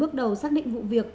bước đầu xác định vụ việc